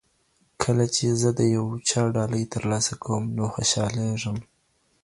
کله چې زه د یو چا ډالۍ ترلاسه کوم نو خوشالېږم.